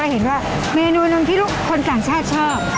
เห็นว่าเมนูหนึ่งที่ลูกคนต่างชาติชอบ